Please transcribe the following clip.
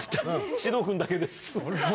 獅童君だけです。